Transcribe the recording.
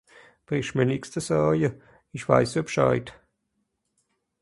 Brüch mer nix ze saje, isch weiss scho B'scheid!